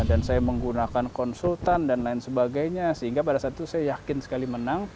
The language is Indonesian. saya menggunakan konsultan dan lain sebagainya sehingga pada saat itu saya yakin sekali menang